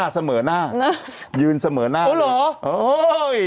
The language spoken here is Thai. เสมอหน้ายืนเสมอหน้าเลย